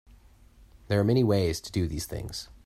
There are many ways to do these things.